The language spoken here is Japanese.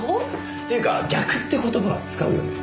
っていうか逆って言葉は使うよね。